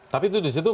tapi itu di situ